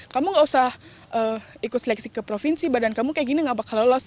kamu gak usah ikut seleksi ke provinsi badan kamu kayak gini gak bakal lolos